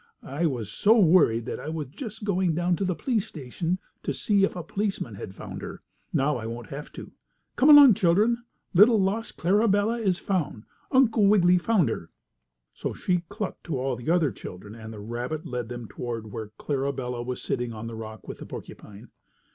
I was so worried that I was just going down to the police station to see if a policeman had found her. Now I won't have to go. Come along, children, little lost Clarabella is found. Uncle Wiggily found her." So she clucked to all the other children, and the rabbit led them toward where Clarabella was sitting on the rock with the porcupine.